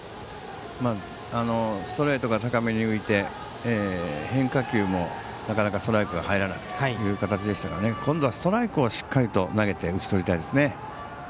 ストレートが高めに浮いて変化球もなかなかストライクが入らなくてという形だったので今度はストライクをしっかりと投げて打ち取りたいですね。